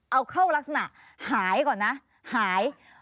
เอาเข้ารักษณะหายก่อนนะหาย